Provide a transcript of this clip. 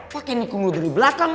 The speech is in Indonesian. pakai nikung lu dari belakang ini